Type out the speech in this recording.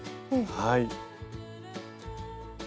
はい。